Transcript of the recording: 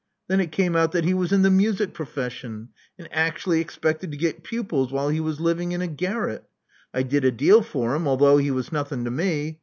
Then it came out that he was in the music profession, and akshally expected to get pupils while he was living in a garret. I did a deal for him, although he was nothing to me.